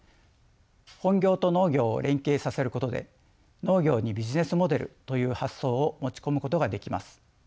本業と農業を連携させることで農業にビジネスモデルという発想を持ち込むことができます。